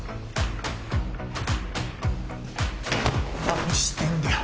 何してんだよ。